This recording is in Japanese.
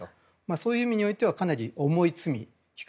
そういう意味においては比較的かなり重い罪。